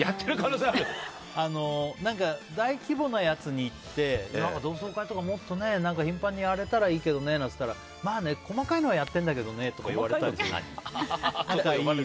大規模なやつに行って同窓会とかもっと頻繁にやれたらいいけどねって言うとまあね、細かいのはやってるんだけどねとか言われたりする。